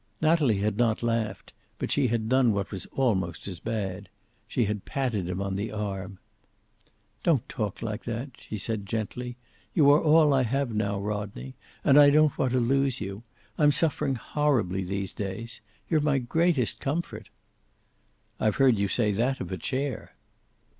Natalie had not laughed, but she had done what was almost as bad. She had patted him on the arm. "Don't talk like that," she said, gently. "You are all I have now, Rodney, and I don't want to lose you. I'm suffering horribly these days. You're my greatest comfort." "I've heard you say that of a chair."